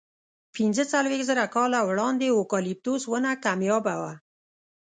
پینځهڅلوېښت زره کاله وړاندې اوکالیپتوس ونه کمیابه وه.